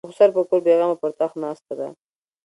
د خسر په کور بېغمه پر تخت ناسته ده.